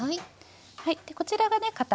はい。